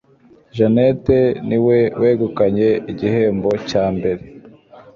janet niwe wegukanye igihembo cya mbere